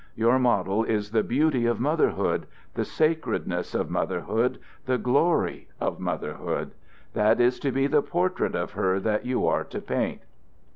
Your model is the beauty of motherhood, the sacredness of motherhood, the glory of motherhood: that is to be the portrait of her that you are to paint."